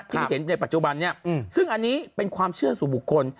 ที่เห็นในปัจจุบันนี้ซึ่งอันนี้เป็นความเชื่อสู่บุคคล